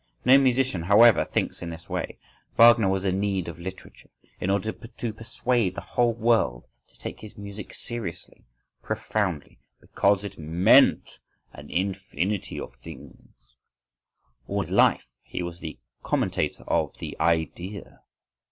No musician however thinks in this way.—Wagner was in need of literature, in order to persuade the whole world to take his music seriously, profoundly, "because it meant an infinity of things", all his life he was the commentator of the "Idea."